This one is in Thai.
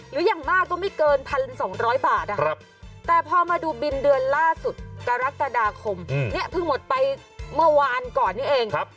อย่างมากก็ไม่เกิน๑๒๐๐บาทแต่พอมาดูบินเดือนล่าสุดกรกฎาคมเนี่ยเพิ่งหมดไปเมื่อวานก่อนนี้เอง